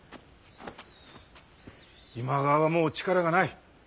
今川はもう力がない。